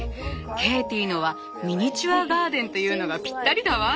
ケイティのはミニチュアガーデンというのがぴったりだわ。